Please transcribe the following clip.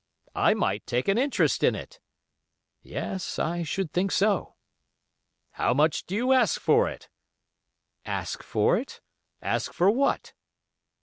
"I might take an interest in it." "Yes, I should think so." "How much do you ask for it?" "'Ask for it?' Ask for what?"